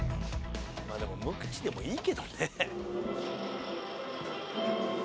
まあでも無口でもいいけどね。